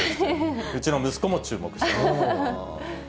うちの息子も注目してます。